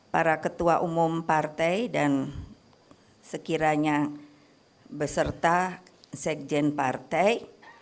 para ketua umum partai dan sekiranya beserta sekjen partai